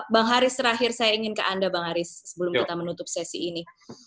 bang haris terakhir saya ingin ke anda bang haris sebelum kita menutup sesi ini